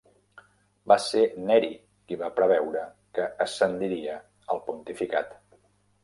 Va ser Neri qui va preveure que ascendiria al pontificat.